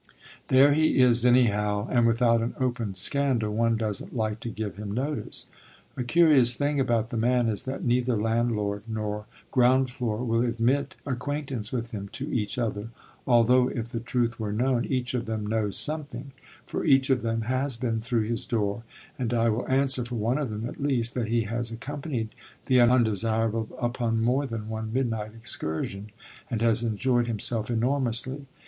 There he is, anyhow, and without an open scandal one doesn't like to give him notice. A curious thing about the man is that neither landlord nor ground floor will admit acquaintance with him to each other, although, if the truth were known, each of them knows something for each of them has been through his door; and I will answer for one of them, at least, that he has accompanied the Undesirable upon more than one midnight excursion, and has enjoyed himself enormously.